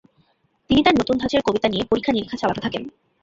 তিনি তাঁর নতুন ধাঁচের কবিতা নিয়ে পরীক্ষা-নিরীক্ষা চালাতে থাকেন।